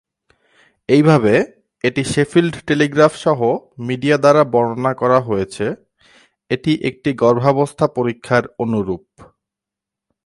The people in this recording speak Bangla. এইভাবে, এটি শেফিল্ড টেলিগ্রাফ সহ মিডিয়া দ্বারা বর্ণনা করা হয়েছে, এটি একটি গর্ভাবস্থা পরীক্ষার অনুরূপ।